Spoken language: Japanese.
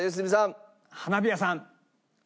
花火屋さん。